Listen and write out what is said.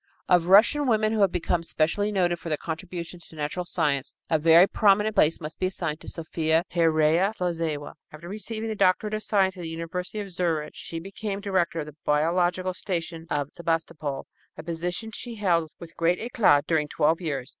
Of Russian women who have become specially noted for their contributions to natural science, a very prominent place must be assigned to Sophia Pereyaslawzewa. After receiving the doctorate of science in the University of Zurich, she became director of the biological station at Sebastopol, a position she held with great éclat during twelve years.